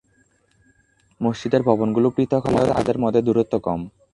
মসজিদের ভবনগুলো পৃথক হলেও তাদের মধ্যে দূরত্ব কম।